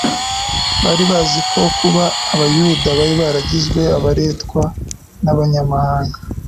Bari bazi ko kuba Abayuda baragizwe abaretwa n’abanyamahanga